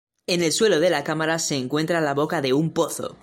En el suelo de la cámara se encuentra la boca de un pozo.